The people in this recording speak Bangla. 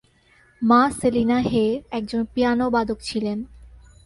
মা সেলিনা হে একজন পিয়ানোবাদক ছিলেন।